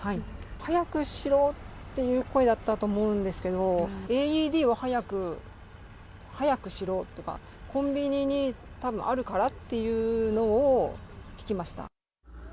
早くしろっていう声だったと思うんですけど、ＡＥＤを早く、早くしろとか、コンビニに、たぶんあるからっていうのを聞きました。